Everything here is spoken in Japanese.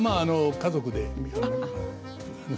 家族で。